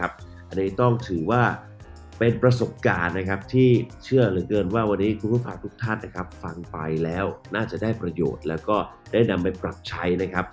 อันนี้ต้องถือว่าเป็นประสบการณ์ที่เชื่อเหลือเกินว่าคุณผู้ฝากทุกท่านฟังไปแล้วน่าจะได้ประโยชน์และได้นำไปปรับใช้